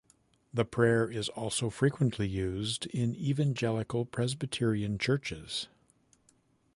The prayer is also frequently used in evangelical Presbyterian churches.